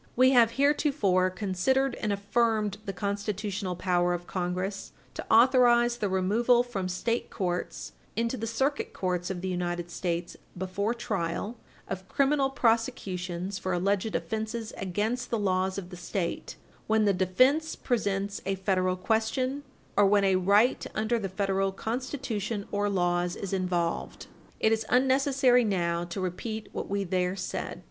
We have heretofore considered and affirmed the constitutional power of Congress to authorize the removal from State courts into the circuit courts of the United States, before trial, of criminal prosecutions for alleged offences against the laws of the State when the defence presents a Federal question or when a right under the Federal Constitution or laws is involved. Tennessee v. Davis, supra, p. 100 U. S. 267. It is unnecessary to repeat what we there said.